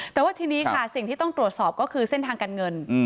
แต่ว่าทีนี้ค่ะสิ่งที่ต้องตรวจสอบก็คือเส้นทางการเงิน